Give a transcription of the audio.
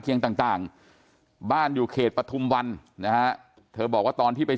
ต่างบ้านอยู่เขตปฐุมวันนะฮะเธอบอกว่าตอนที่ไป